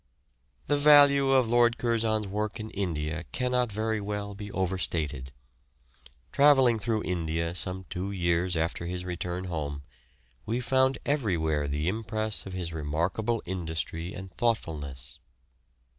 The value of Lord Curzon's work in India cannot very well be overstated. Travelling through India some two years after his return home, we found everywhere the impress of his remarkable industry and thoughtfulness.